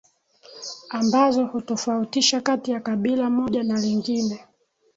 ambazo hutofautisha kati ya kabila moja na lingine